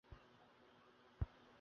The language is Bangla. তুই ভাবিস আমার, আমাদের কথা?